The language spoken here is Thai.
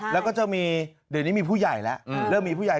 แล้วก็จะมีเดี๋ยวนี้มีผู้ใหญ่แล้วเริ่มมีผู้ใหญ่